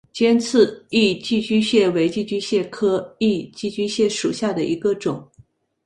尖刺异寄居蟹为寄居蟹科异寄居蟹属下的一个种。